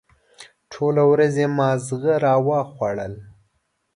ټوله ورځ یې ماغزه را وخوړل.